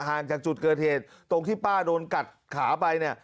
ห่างจากจุดเกิดเหตุตรงที่ป้าโดนกัดขาไปเนี่ย